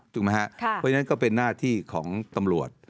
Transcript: ถูกไหมครับเพราะฉะนั้นก็เป็นหน้าที่ของตำรวจ